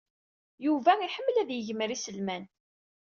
Yuba iḥemmel ad yegmer iselman.